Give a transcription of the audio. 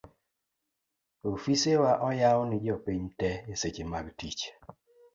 ofisewa oyaw ni jopiny te eseche mag tich